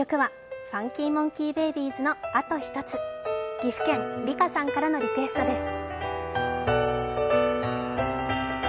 岐阜県、りかさんからのリクエストです。